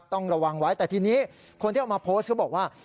ต้องระวังไว้แต่ทีนี้คนที่เอามาโพสต์เขาบอกว่า